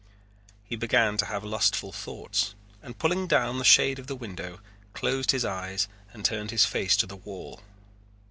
He began to have lustful thoughts and pulling down the shade of the window closed his eyes and turned his face to the wall.